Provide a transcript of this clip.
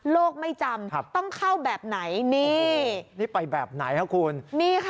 ไม่จำต้องเข้าแบบไหนนี่นี่ไปแบบไหนคะคุณนี่ค่ะ